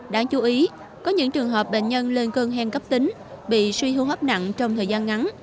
đáng chú ý có những trường hợp bệnh nhân lên cơn hen cấp tính bị suy hô hấp nặng trong thời gian ngắn